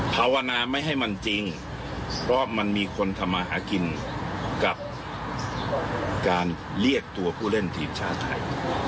ภาวนาไม่ให้มันจริงเพราะมันมีคนทำมาหากินกับการเรียกตัวผู้เล่นทีมชาติไทย